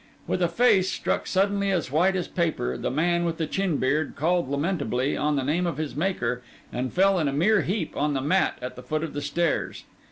With a face struck suddenly as white as paper, the man with the chin beard called lamentably on the name of his maker, and fell in a mere heap on the mat at the foot of the stairs.